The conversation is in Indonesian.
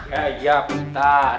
ya ya bentar